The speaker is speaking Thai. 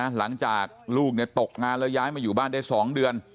หลังจากลูกตกงานแล้วย้ายมาอยู่บ้านได้๒เดือน